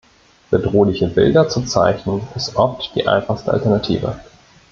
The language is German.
Bedrohliche Bilder zu zeichnen, ist oft die einfachste Alternative.